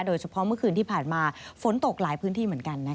โดยเฉพาะเมื่อคืนที่ผ่านมาฝนตกหลายพื้นที่เหมือนกันนะคะ